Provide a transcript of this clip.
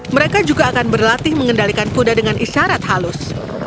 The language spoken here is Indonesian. mereka juga akan berlatih mengendalikan kuda dengan isyarat halus